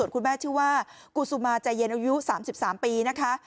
คุณแม่ชื่อว่ากูซูมาใจเย็นอายุ๓๓ปีนะคะ